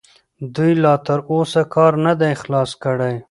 دوی لا تراوسه کار نه دی خلاص کړی.